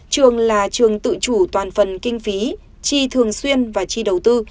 trường là trường tự chủ toàn phần kinh phí chi thường xuyên và chi đầu tư